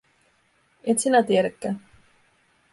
Et sinä tiedäkään.